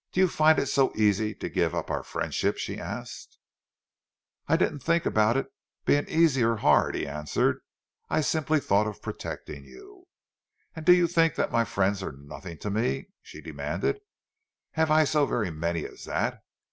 "Do you find it so easy to give up our friendship?" she asked. "I didn't think about it's being easy or hard," he answered. "I simply thought of protecting you." "And do you think that my friends are nothing to me?" she demanded. "Have I so very many as that?"